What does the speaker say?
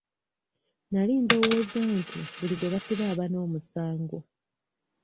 Nali ndowooza nti buli gwe basiba aba n'omusango.